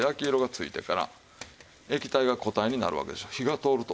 液体が固体になるわけでしょう火が通ると。